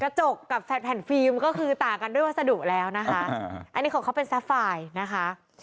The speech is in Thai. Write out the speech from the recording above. กระจกกับแผ่นฟิล์มก็คือต่างกันด้วยวัสดุแล้วนะคะอันนี้ของเขาเป็นแฟไฟล์นะคะ